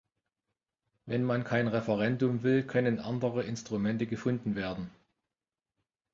Wenn man kein Referendum will, können andere Instrumente gefunden werden.